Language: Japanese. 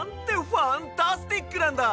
ファンタスティックなんだ！